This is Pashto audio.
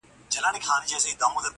بېګناه یم نه په ژوند مي څوک وژلی -